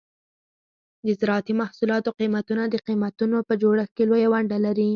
د زراعتي محصولاتو قیمتونه د قیمتونو په جوړښت کې لویه ونډه لري.